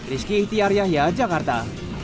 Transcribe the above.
rizky itiaryah jakarta